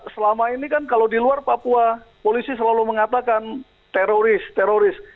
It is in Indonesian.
selama ini kan kalau di luar papua polisi selalu mengatakan teroris teroris